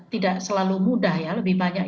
tidak selalu mudah ya lebih banyak